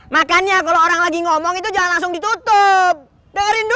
makannya kalo orang lagi ngomong itu jangan langsung ditutup dengarin dulu